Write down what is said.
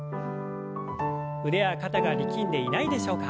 腕や肩が力んでいないでしょうか？